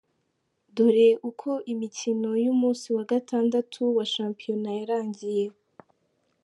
Dore uko imikino y’umunsi wa gatandatu wa shampiyona yarangiye:.